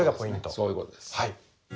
そういう事です。